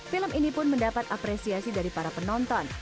film ini pun mendapat apresiasi dari para penonton